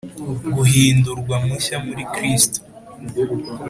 Guhindurwa mushya muri kristo